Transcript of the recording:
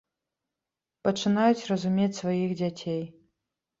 Пачынаюць разумець сваіх дзяцей.